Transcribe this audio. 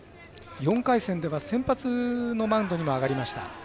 ４回戦では先発のマウンドにも上がりました。